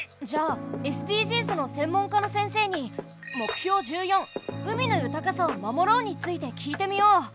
じゃあＳＤＧｓの専門家の先生に目標１４「海の豊かさを守ろう」について聞いてみよう。